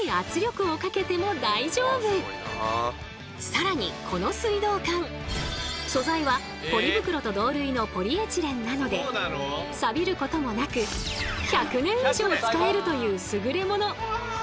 更にこの水道管素材はポリ袋と同類のポリエチレンなのでサビることもなく１００年以上使えるという優れもの。